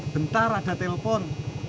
bentar ada telpon